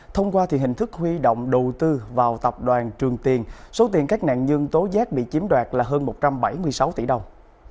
thông qua hình thức huy động đầu tư vào tập đoàn trường tiền số tiền các nạn nhân tố giác bị chiếm đoạt là hơn một trăm bảy mươi sáu tỷ đồng